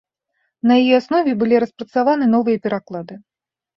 На яе аснове былі распрацаваны новыя пераклады.